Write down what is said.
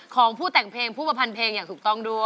ของผู้แต่งเพลงผู้ประพันเพลงอย่างถูกต้องด้วย